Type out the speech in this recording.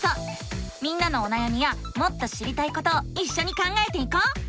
みんなのおなやみやもっと知りたいことをいっしょに考えていこう！